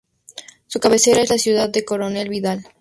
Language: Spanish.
Su cabecera es la ciudad de Coronel Vidal.